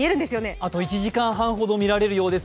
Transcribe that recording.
あと１時間半ほど見られるようです。